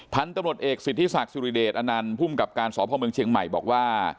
ท่านตำรวจเอกสิทธิศักดิ์ศิริเดชอันนันต์พุ่มกับการสอบภาพเมืองเชียงใหม่บอกว่า